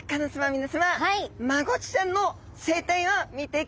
皆さまマゴチちゃんの生態を見ていきましょう。